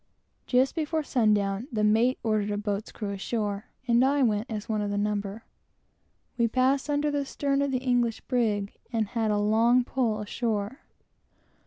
Just before sun down the mate ordered a boat's crew ashore, and I went as one of the number. We passed under the stern of the English brig, and had a long pull ashore.